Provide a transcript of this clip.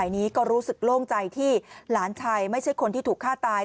นี้ก็รู้สึกโล่งใจที่หลานชายไม่ใช่คนที่ถูกฆ่าตาย